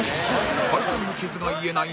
解散の傷が癒えない